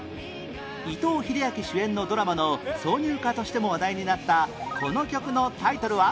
伊藤英明主演のドラマの挿入歌としても話題になったこの曲のタイトルは？